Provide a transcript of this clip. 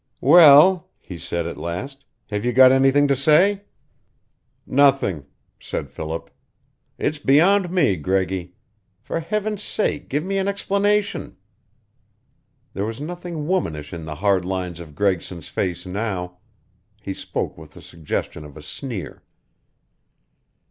"Well," he said, at last, "have you got anything to say?" "Nothing," said Philip. "It's beyond me, Greggy. For Heaven's sake give me an explanation!" There was nothing womanish in the hard lines of Gregson's face now. He spoke with the suggestion of a sneer.